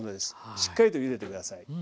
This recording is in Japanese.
しっかりとゆでて下さい。